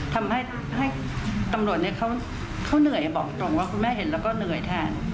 ทำให้ตำรวจเขาเหนื่อยบอกตรงว่าคุณแม่เห็นแล้วก็เหนื่อยแทน